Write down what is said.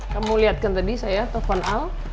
kamu lihatkan tadi saya telepon al